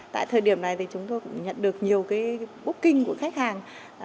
tại thời điểm này chúng tôi cũng nhận được nhiều búc kinh của khách hàng